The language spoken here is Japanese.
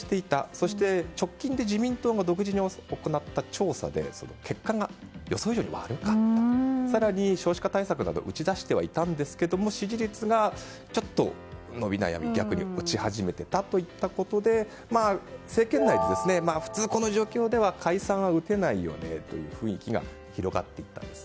そして、直近で自民党が独自で行った調査で結果が予想以上に悪かった更に、少子化対策などを打ち出したものの支持率が伸び悩み逆に落ち始めていたということで政権内で普通、この状況では解散は打てないよねという雰囲気が広がっていったんです。